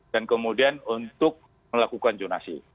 dan kemudian untuk melakukan jurnasi